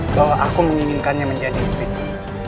bahwa aku menginginkannya menjadi istriku